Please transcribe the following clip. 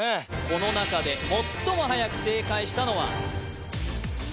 このなかで最もはやく正解したのは